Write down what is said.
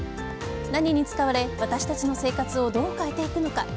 何に使われ、私たちの生活をどう変えていくのか。